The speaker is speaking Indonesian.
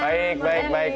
baik baik baik